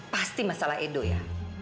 pasti masalah edo ya